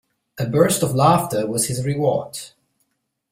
A burst of laughter was his reward.